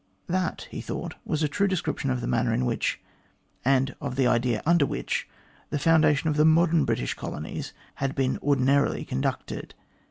That he thought was a true description of the manner in which, and of the idea under which, the foundation of the modern British colonies had been ordin arily conducted.